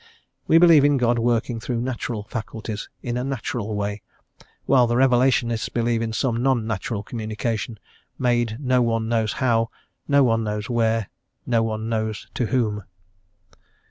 We believe in God working through natural faculties in a natural way, while the revelationists believe in some non natural communication, made no one knows how, no one knows where, no one knows to whom.